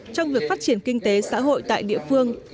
trong việc phát triển kinh tế xã hội tại địa phương